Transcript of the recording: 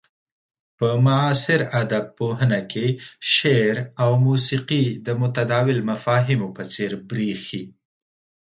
په معاصر ادب پوهنه کې شعر او موسيقي د متداول مفاهيمو په څير بريښي.